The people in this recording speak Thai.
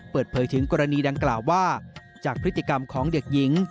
เปิดเผยถึงกรณีดังกล่าวว่าจากพฤติกรรมของเด็กหญิง